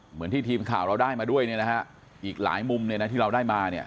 เหมือนที่ทีมข่าวเราได้มาด้วยเนี่ยนะฮะอีกหลายมุมเลยนะที่เราได้มาเนี่ย